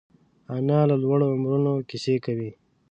انا له لوړو عمرونو کیسې کوي